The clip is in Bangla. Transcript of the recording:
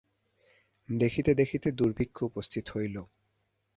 দেখিতে দেখিতে দুর্ভিক্ষ উপস্থিত হইল।